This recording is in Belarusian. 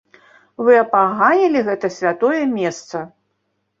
Вы апаганілі гэта святое месца.